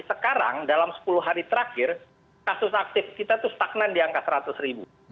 sekarang dalam sepuluh hari terakhir kasus aktif kita itu stagnan di angka seratus ribu